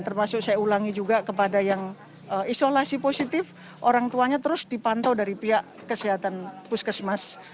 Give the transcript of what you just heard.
termasuk saya ulangi juga kepada yang isolasi positif orang tuanya terus dipantau dari pihak kesehatan puskesmas